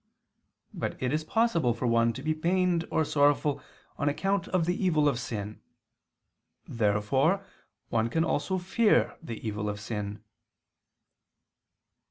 But it is possible for one to be pained or sorrowful on account of the evil of sin. Therefore one can also fear the evil of sin.